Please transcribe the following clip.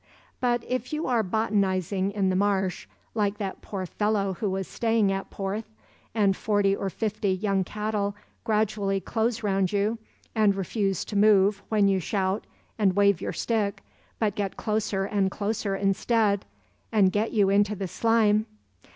But if you are botanizing in the marsh, like that poor fellow who was staying at Porth, and forty or fifty young cattle gradually close round you, and refuse to move when you shout and wave your stick, but get closer and closer instead, and get you into the slime.